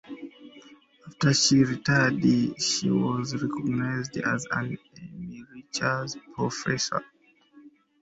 After she retired she was recognised as an emeritus professor.